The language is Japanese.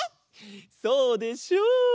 そうでしょう。